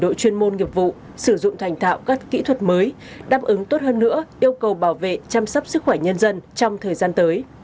đại tướng tô lâm đã tạo các kỹ thuật mới đáp ứng tốt hơn nữa yêu cầu bảo vệ chăm sóc sức khỏe nhân dân trong thời gian tới